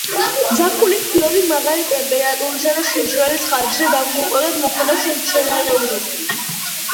ზაფხულის ფიონი მაღალი ტემპერატურისა და სიმშრალის ხარჯზე დამღუპველად მოქმედებს მცენარეულობაზე.